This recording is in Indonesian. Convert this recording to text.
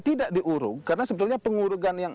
tidak diurung karena sebetulnya pengurugan yang